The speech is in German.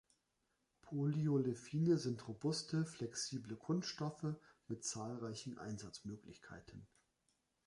Polyolefine sind robuste, flexible Kunststoffe mit zahlreichen Einsatzmöglichkeiten.